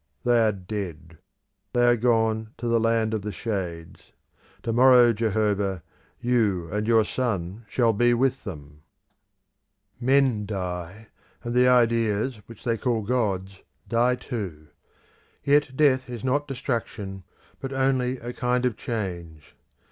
They are dead; they are gone to the land of the shades. To morrow, Jehovah, you and your son shall be with them! Men die, and the ideas which they call gods die too; yet death is not destruction, but only a kind of change.